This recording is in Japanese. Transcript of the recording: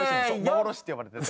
幻って呼ばれてて。